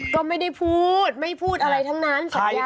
ก็ไม่ได้พูดไม่พูดอะไรทั้งนั้นสัญญา